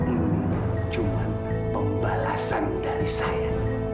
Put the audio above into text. ini cuma pembalasan dari saya